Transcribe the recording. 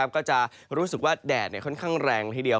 ก็จะรู้สึกว่าแดดค่อนข้างแรงละทีเดียว